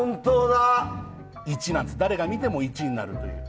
誰が見ても１になると。